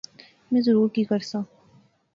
میں ضرور کی کرساں